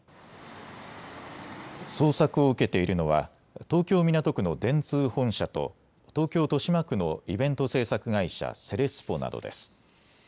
捜索を受けているのは東京港区の電通本社と東京豊島区のイベント制作会社、セレスポなどです。